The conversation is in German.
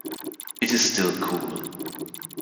It is still cool.